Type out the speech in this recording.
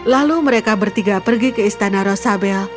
lalu mereka bertiga pergi ke istana rosabel